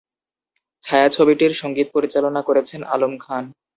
ছায়াছবিটির সঙ্গীত পরিচালনা করেছেন আলম খান।